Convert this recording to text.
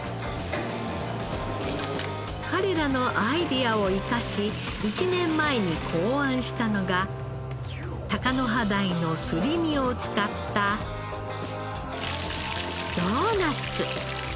彼らのアイデアを生かし１年前に考案したのがタカノハダイのすり身を使ったドーナツ。